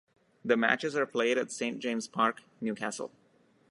The matches are played at Saint James' Park, Newcastle.